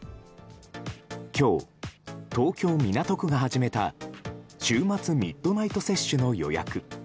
今日、東京・港区が始めた週末ミッドナイト接種の予約。